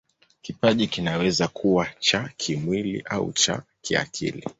Kipaji kinaweza kuwa cha kimwili au cha kiakili.